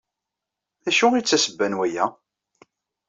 D acu ay d tasebba n waya?